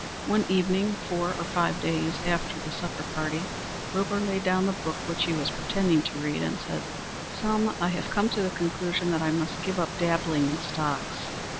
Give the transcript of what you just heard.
One evening, four or five days after this supper party, Wilbur laid down the book which he was pretending to read, and said, "Selma, I have come to the conclusion that I must give up dabbling in stocks.